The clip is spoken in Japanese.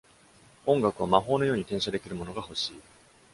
音楽を魔法のように転写できるものが欲しい。